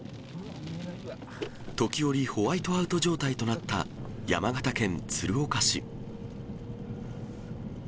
時折、ホワイトアウト状態となった、山形県鶴岡市。